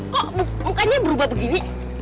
kok mukanya berubah tuh gini